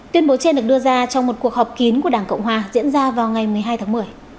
tuyên bố trên được đưa ra trong một cuộc họp kín của đảng cộng hòa diễn ra vào ngày một mươi hai tháng một mươi